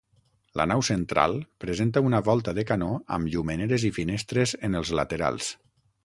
La nau central presenta una volta de canó amb llumeneres i finestres en els laterals.